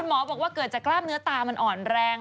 บอกว่าเกิดจากกล้ามเนื้อตามันอ่อนแรง